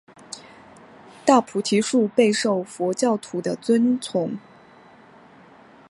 大菩提树备受佛教徒的尊崇。